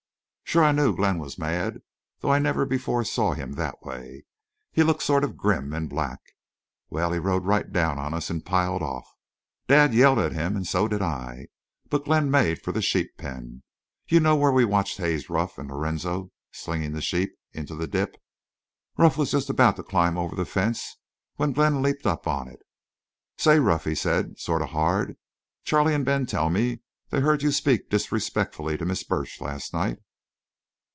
"Shore I knew Glenn was mad, though I never before saw him that way. He looked sort of grim an' black.... Well, he rode right down on us an' piled off. Dad yelled at him an' so did I. But Glenn made for the sheep pen. You know where we watched Haze Ruff an' Lorenzo slinging the sheep into the dip. Ruff was just about to climb out over the fence when Glenn leaped up on it." "'Say, Ruff,' he said, sort of hard, 'Charley an' Ben tell me they heard you speak disrespectfully to Miss Burch last night.